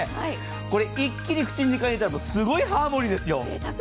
これ、一気に口に入れたら、すごいハーモニーですよ。